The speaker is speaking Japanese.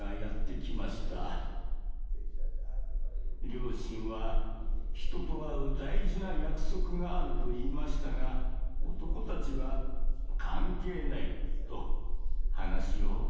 両親は「人と会う大事な約束がある」と言いましたが男たちは「関係ない」と話を全く聞こうとしませんでした。